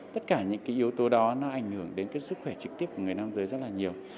tất cả những cái yếu tố đó nó ảnh hưởng đến cái sức khỏe trực tiếp của người nam giới rất là nhiều